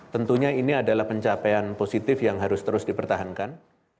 tentunya ini adalah pencapaian positif yang harus terus dipertahankan